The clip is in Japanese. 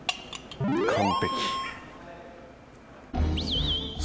完璧。